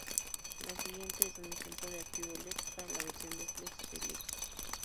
Lo siguiente es un ejemplo de archivo lex para la versión Flex de lex.